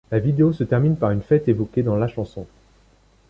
La vidéo se termine par une fête évoquée dans la chanson.